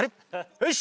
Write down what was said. よし！